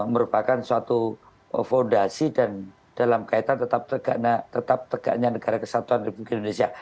merupakan suatu fondasi dan dalam kaitan tetap tegaknya negara kesatuan republik indonesia